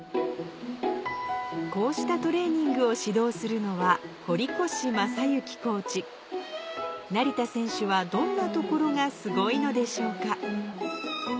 こうしたトレーニングを指導するのは成田選手はどんなところがすごいのでしょうか？